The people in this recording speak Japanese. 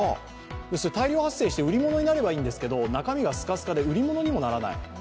大量発生して売り物になればいいんですけど、中身がスカスカで売り物にもならない。